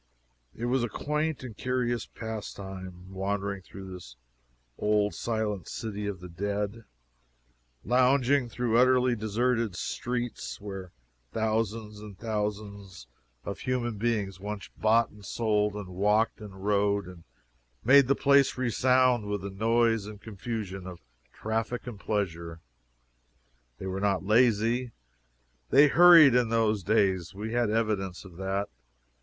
It was a quaint and curious pastime, wandering through this old silent city of the dead lounging through utterly deserted streets where thousands and thousands of human beings once bought and sold, and walked and rode, and made the place resound with the noise and confusion of traffic and pleasure. They were not lazy. They hurried in those days. We had evidence of that.